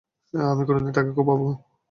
আমি কোনদিন তোকে কুপাবো।